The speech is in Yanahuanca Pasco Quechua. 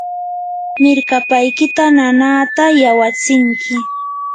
mirkapaykita nanaata yawatsinki.